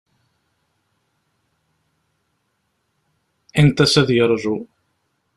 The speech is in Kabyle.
Int-as ad yerju